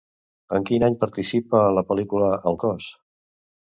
En quin any participa en la pel·lícula "El cos"?